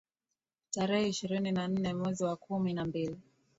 tarehe ishirini na nne mwezi wa kumi na mbili